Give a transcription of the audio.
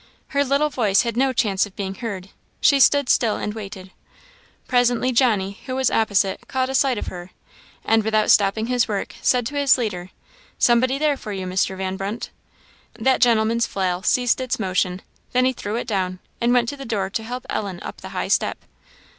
Her little voice had no chance of being heard; she stood still and waited. Presently, Johnny, who was opposite, caught a sight of her, and, without stopping his work, said to his leader, "Somebody there for you, Mr. Van Brunt." That gentleman's flail ceased its motion, then he threw it down, and went to the door to help Ellen up the high step.